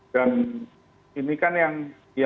dan ini kan yang